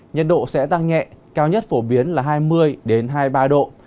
nhiệt độ sẽ tăng nhẹ cao nhất phổ biến là hai mươi hai mươi ba độ